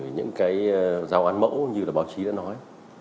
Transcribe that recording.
những cái giao án mẫu như là báo chí đã nói